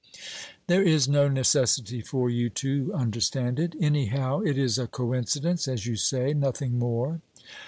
"There is no necessity for you to understand it. Anyhow, it is a coincidence, as you say nothing more."